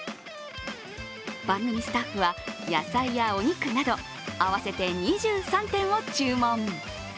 番組スタッフは野菜やお肉など合わせて２３点を注文。